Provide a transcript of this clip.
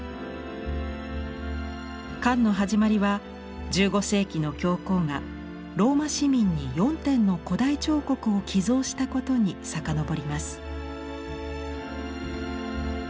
館の始まりは１５世紀の教皇がローマ市民に４点の古代彫刻を寄贈したことに遡ります。